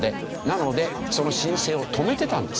なのでその申請を止めてたんですね。